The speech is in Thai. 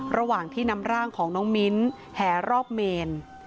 ระหว่างที่นำร่างของน้องมิ้นแห่รอบเมน